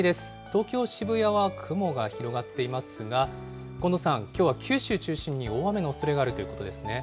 東京・渋谷は雲が広がっていますが、近藤さん、きょうは九州中心に大雨のおそれがあるということですね。